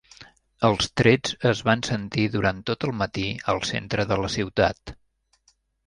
Els trets es van sentir durant tot el matí al centre de la ciutat.